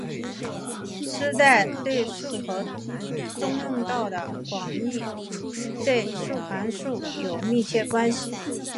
迭代对数和中用到的广义对数函数有密切关系。